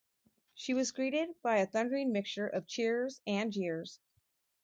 She was greeted by a thundering mixture of cheers and jeers.